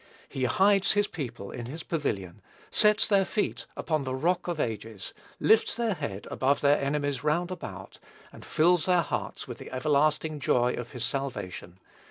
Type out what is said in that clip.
He hides his people in his pavilion, sets their feet upon the Rock of ages, lifts their head above their enemies round about, and fills their hearts with the everlasting joy of his salvation.